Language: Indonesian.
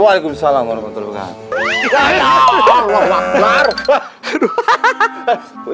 waalaikumsalam warahmatullahi wabarakatuh